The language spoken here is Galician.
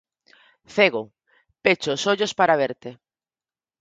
Cego, pecho os ollos para verte.